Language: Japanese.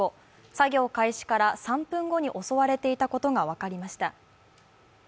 作業開始から３分後に襲われていたことが分かりました。